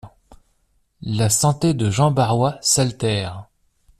La santé de Jean Barois s'altère.